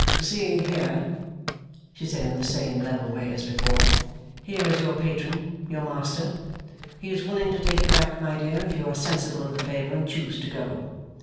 'See here,' she said, in the same level way as before. 'Here is your patron, your master. He is willing to take you back, my dear, if you are sensible of the favour and choose to go.